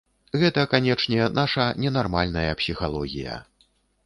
Гэта, канечне, наша ненармальная псіхалогія.